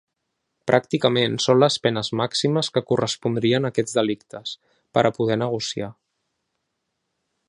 Pràcticament, són les penes màximes que correspondrien a aquests delictes, per a poder negociar.